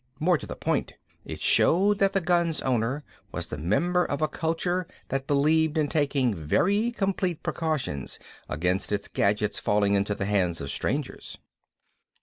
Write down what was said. More to the point, it showed that the gun's owner was the member of a culture that believed in taking very complete precautions against its gadgets falling into the hands of strangers.